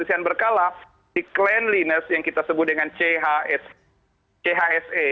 di kesehatan berkala si cleanliness yang kita sebut dengan chse